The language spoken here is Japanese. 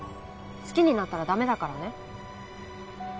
好きになったら駄目だからね。